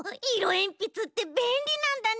えんぴつってべんりなんだね。